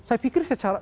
saya pikir secara